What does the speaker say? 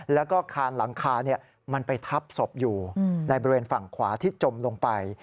แล้วก็คานหลังคามันไปทับศพอยู่ในบริเวณฝั่งขวาที่จมลงไป